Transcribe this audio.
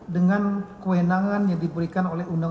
dengan kewenangan yang diberikan